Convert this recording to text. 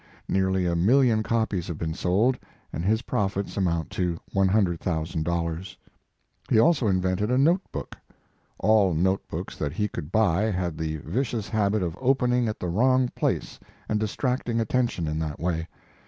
Nearly a million copies have been sold, and his profits amount to $100,000. He also invented a note book. All note books that he could buy had the vicious habit of opening at the wrong place and distracting attention in that way.